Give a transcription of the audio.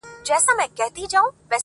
o جغ پر غاړه، او جغ غواړه!